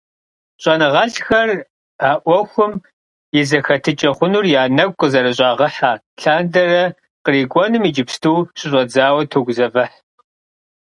ЩIэныгъэлIхэр, а Iуэхум и зэхэтыкIэ хъунур я нэгу къызэрыщIагъыхьэ лъандэрэ, кърикIуэнум иджыпсту щыщIэдзауэ тогузэвыхь.